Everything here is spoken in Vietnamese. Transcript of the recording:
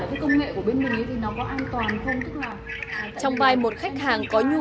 em cũng muốn hỏi là cái công nghệ của bên mình thì nó có an toàn không